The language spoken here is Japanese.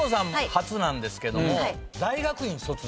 初なんですけども大学院卒です。